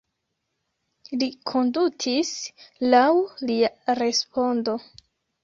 Li kondutis laŭ lia respondo.